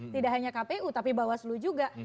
tidak hanya kpu tapi bawah selu juga